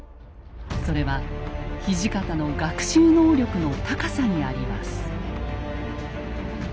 それは土方の学習能力の高さにあります。